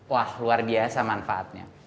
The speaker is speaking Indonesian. wah luar biasa manfaatnya